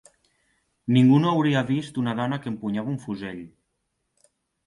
Ningú no hauria vist una dona que empunyava un fusell.